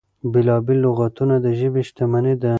بېلا بېل لغتونه د ژبې شتمني ده.